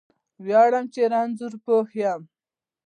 ویاړم چې رانځور پوه یم